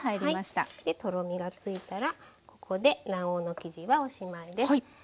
とろみがついたらここで卵黄の生地はおしまいです。